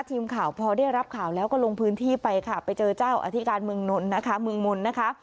ทีมข่าวพอได้รับข่าวแล้วก็ลงพื้นที่ไปค่ะไปเจอเจ้าอธิการเมืองนท์นะคะ